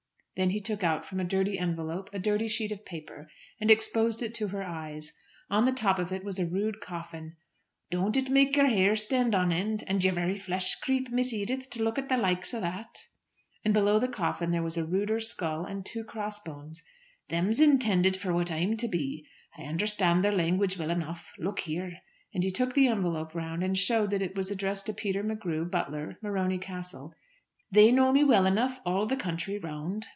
Then he took out from a dirty envelope a dirty sheet of paper, and exposed it to her eyes. On the top of it was a rude coffin. "Don't it make yer hair stand on end, and yer very flesh creep, Miss Edith, to look at the likes o' that!" And below the coffin there was a ruder skull and two cross bones. "Them's intended for what I'm to be. I understand their language well enough. Look here," and he turned the envelope round and showed that it was addressed to Peter McGrew, butler, Morony Castle. "They know me well enough all the country round."